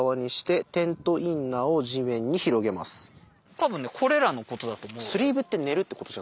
多分ねこれらのことだと思う。